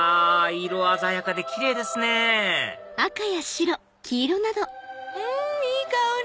色鮮やかでキレイですねうんいい香り！